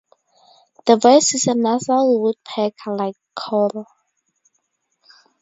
The voice is a nasal woodpecker-like call.